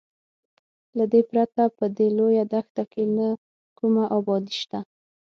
له دې پرته په دې لویه دښته کې نه کومه ابادي شته.